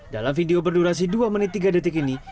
dalam video berdurasi dua menit tiga detik ini